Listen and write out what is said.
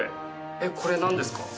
えっこれなんですか？